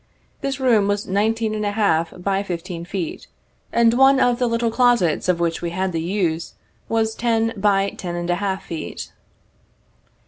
This room was nineteen and a half by fifteen feet, and one of the little closets of which we had the 55 use, was ten by ten and a half feet.